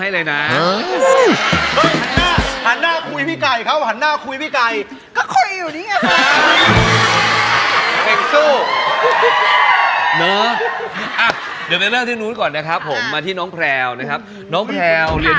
แล้วก็น้องไมค์แล้วก็น้องไมค์นี่